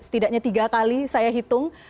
setidaknya tiga kali saya hitung